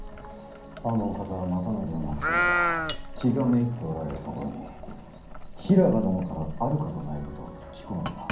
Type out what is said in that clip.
あのお方は政範を亡くされ気がめいっておられるところに平賀殿からあることないことを吹き込まれた。